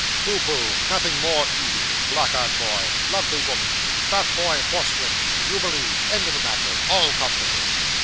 'Pooh, pooh! nothing more easy blackguard boy lovely woman fat boy horsewhipped you believed end of the matter all comfortable.